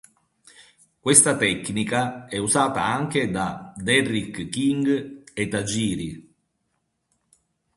Questa tecnica è usata anche da Derrick King e Tajiri.